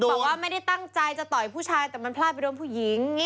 บอกว่าไม่ได้ตั้งใจจะต่อยผู้ชายแต่มันพลาดไปโดนผู้หญิง